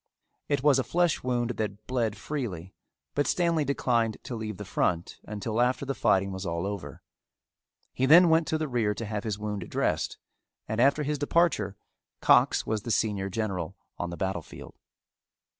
It was a flesh wound that bled freely, but Stanley declined to leave the front until after the fighting was all over. He then went to the rear to have his wound dressed and after his departure Cox was the senior general on the battle field.